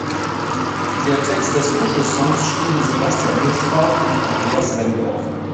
Text des „Kuschel Songs“ schrieben Sebastian Nußbaum und Andreas Wendorf.